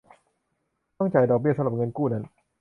ต้องจ่ายดอกเบี้ยสำหรับเงินกู้นั้น